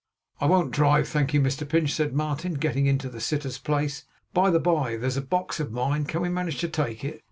'I won't drive, thank you, Mr Pinch,' said Martin, getting into the sitter's place. 'By the bye, there's a box of mine. Can we manage to take it?